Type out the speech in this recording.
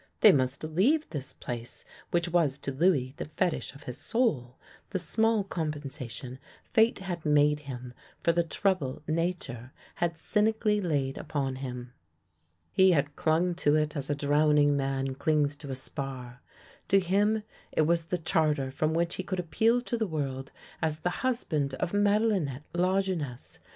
They must leave this place which was to Louis the fe tish of his soul, the small compensation fate had made him for the trouble nature had cynically laid upon him. He had clung to it as a drowning man clings to a spar. To him it was the charter from which he could appeal to the world as the husband of Madelinette Lajeunesse.